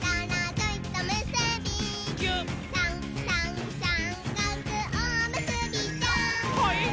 「さんさんさんかくおむすびちゃん」はいっ！